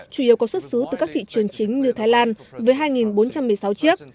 chủ yếu có xuất xứ từ các thị trường chính như thái lan với hai bốn trăm một mươi sáu chiếc